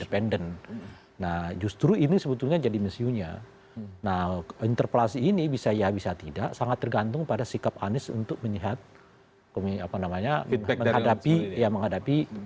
prime news segera kembali